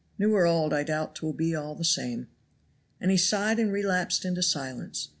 "New or old, I doubt 'twill be all the same." And he sighed and relapsed into silence.